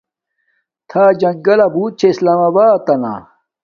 تھا جنگلہ بوت چھے اسلام آباتنا